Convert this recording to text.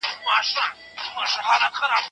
مشاور د زده کوونکو رواني حالت ارزیابي کوي.